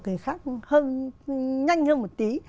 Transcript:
cái khác hơn nhanh hơn một tí